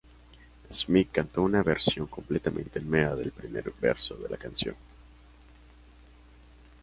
Smith cantó una versión completamente nueva del primer verso de la canción.